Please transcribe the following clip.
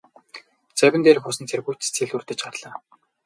Завин дээрх усан цэргүүд ч сэлүүрдэж гарлаа.